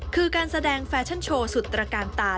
คือการแสดงแฟชั่นโชว์สุดตระการตา